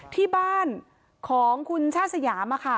ที่บ้านของคุณชาติสยาม